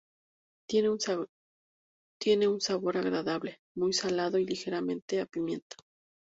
Tiene un sabor agradable, muy salado y ligeramente a pimienta.